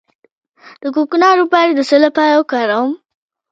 د کوکنارو پاڼې د څه لپاره وکاروم؟